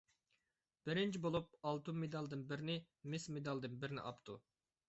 بىرىنچى بولۇپ، ئالتۇن مېدالدىن بىرنى، مىس مېدالدىن بىرنى ئاپتۇ.